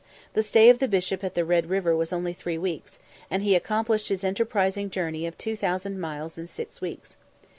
The stay of the Bishop at the Red River was only three weeks, and he accomplished his enterprising journey of two thousand miles in six weeks.